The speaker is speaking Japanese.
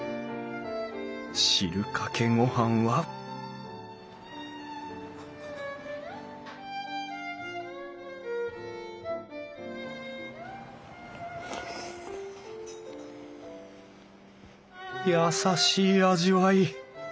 汁かけ御飯は優しい味わい。